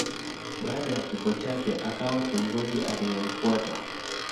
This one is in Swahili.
Baada ya kifo chake akawa kiongozi aliyemfuata.